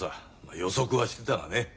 予測はしてたがね。